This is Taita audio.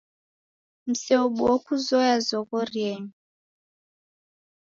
Mseobuo kuzoya zoghori yenyu.